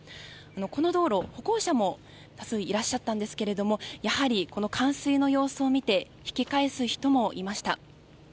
この道路、歩行者も多数いらっしゃったんですがやはり冠水の様子を見て引き返す人もいました。